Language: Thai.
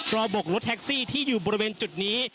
ระบบกรถแท็กซี่ที่อยู่บริเวณจุดนี้